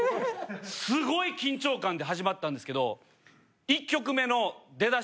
すごい緊張感で始まったんですけど。